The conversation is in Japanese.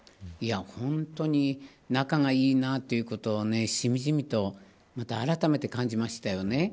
本当に仲がいいなということをしみじみとまたあらためて感じましたね。